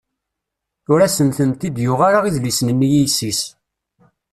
Ur asent-ten-id-yuɣ ara idlisen-nni i yessi-s.